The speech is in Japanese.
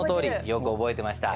よく覚えてました。